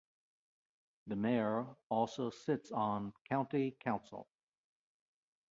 The mayor also sits on county council.